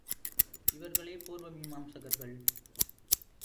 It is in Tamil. இவர்களே பூர்வ மீமாம்சகர்கள்.